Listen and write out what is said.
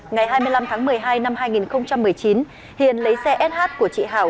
ngày hai mươi năm tháng một mươi hai năm hai nghìn một mươi chín hiền lấy xe sh của chị hảo